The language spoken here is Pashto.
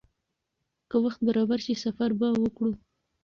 که وخت برابر شي، سفر به وکړو.